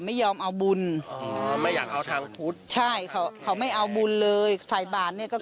หมอป้าก็พูดเหมือนพี่อุ๋ยพูดเลยค่ะ